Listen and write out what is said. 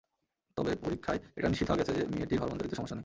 তবে পরীক্ষায় এটা নিশ্চিত হওয়া গেছে যে, মেয়েটির হরমোনজনিত সমস্যা নেই।